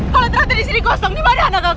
kalau teratur di sini kosong dimana anak aku sekarang